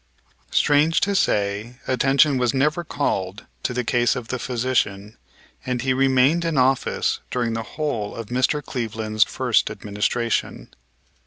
Strange to say, attention was never called to the case of the physician and he remained in office during the whole of Mr. Cleveland's first administration.